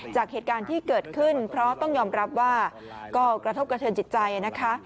จากเหตุการณ์ที่เกิดขึ้นเพราะต้องยอมรับว่าก็กระทบกระเทินจิตใจนะคะ